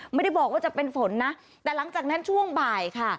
ไม่ได้บอกว่าจะเป็นฝนนะแต่หลังจากนั้นช่วงบ่ายค่ะ